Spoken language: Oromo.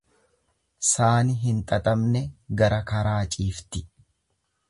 Saani hin xaxamne gara karaa ciifti.